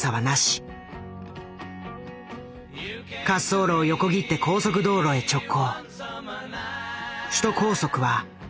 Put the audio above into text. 滑走路を横切って高速道路へ直行。